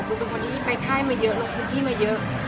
เป็นคนที่ไปค่ายมาเยอะลงพื้นที่มาเยอะ